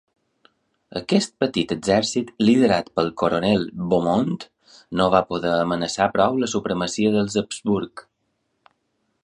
Aquest petit exèrcit, liderat pel coronel Beaumont, no va poder amenaçar prou la supremacia dels Habsburg.